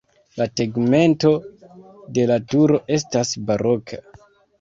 La tegmento de la turo estas baroka.